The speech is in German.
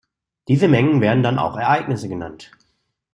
Diese Mengen werden dann auch Ereignisse genannt.